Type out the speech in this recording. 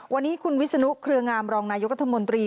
วันนี้คุณวิศนุเครืองามรองนายกรัฐมนตรี